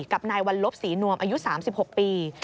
กับนายวัลลบศรีนวมอายุ๓๖ปี